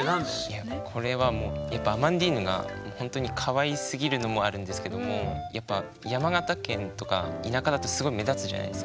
いやこれはもうやっぱアマンディーヌがほんとにかわいすぎるのもあるんですけどもやっぱ山形県とか田舎だとすごい目立つじゃないですか。